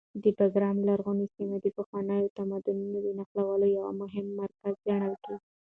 د بګرام لرغونې سیمه د پخوانیو تمدنونو د نښلولو یو مهم مرکز ګڼل کېږي.